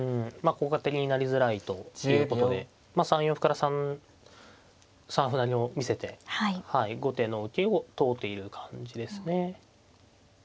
効果的になりづらいということで３四歩から３三歩成を見せて後手の受けを問うている感じですね。